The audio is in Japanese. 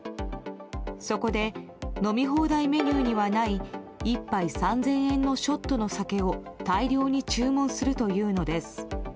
そこで飲み放題メニューにはない１杯３０００円のショットの酒を大量に注文するというのです。